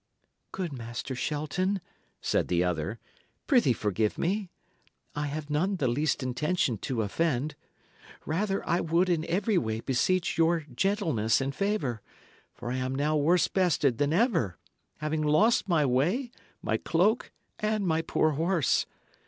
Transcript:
"Good Master Shelton," said the other, "prithee forgive me. I have none the least intention to offend. Rather I would in every way beseech your gentleness and favour, for I am now worse bested than ever, having lost my way, my cloak, and my poor horse.